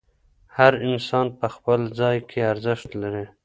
هر انسان په خپل ځای کې ارزښت لري.